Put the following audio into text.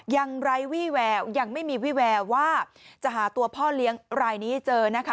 ยังไม่มีวิแววว่าจะหาตัวพ่อเลี้ยงลายนี้เจอนะค้า